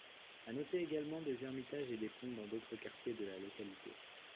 À noter également des ermitages et des ponts dans d'autres quartiers de la localité.